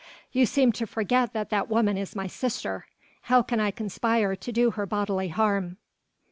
"You seem to forget that that woman is my sister. How can I conspire to do her bodily harm?"